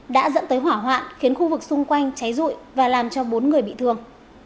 đã dẫn tới hỏa hoạn khiến khu vực xung quanh cháy rụi và làm cho bốn người bị thương